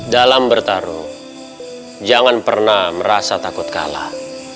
dalam bertarung jangan pernah merasa takut kalah